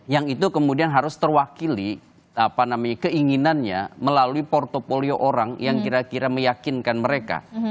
yang itu kemudian harus terwakili keinginannya melalui portfolio orang yang kira kira meyakinkan mereka